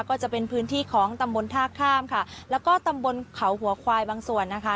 ก็จะเป็นพื้นที่ของตำบลท่าข้ามค่ะแล้วก็ตำบลเขาหัวควายบางส่วนนะคะ